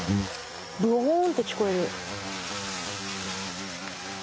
ブオーンって聞こえる。